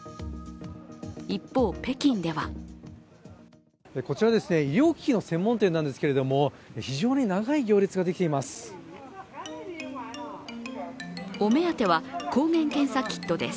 一方、北京ではこちら、医療機器の専門店なんですけど非常に長い行列ができています。